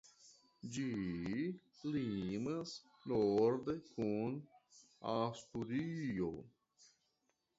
Ĝi limas norde kun Asturio.